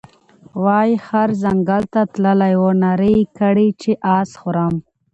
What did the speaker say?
وايې خر ځنګل ته تللى وو نارې یې کړې چې اس خورم،